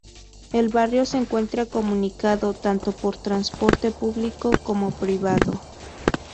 El barrio se encuentra comunicado tanto por transporte público como privado.